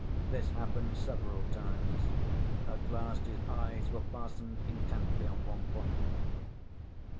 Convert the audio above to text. This happened several times. At last his eyes were fastened intently on one point.